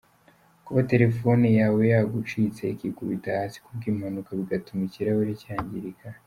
Kuba telefone yawe yagucitse ikikubita hasi kubw'impanuka bigatuma ikirahuri cyangirika.